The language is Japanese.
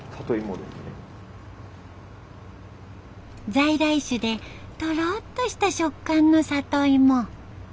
在来種でとろっとした食感の里芋。